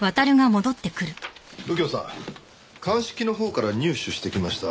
右京さん鑑識のほうから入手してきました。